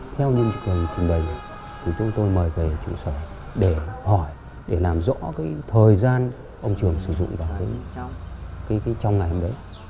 theo những trường trình bày thì chúng tôi mời về trụ sở để hỏi để làm rõ cái thời gian ông trường sử dụng vào trong ngày hôm đấy